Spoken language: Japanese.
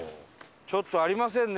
ちょっとありませんね。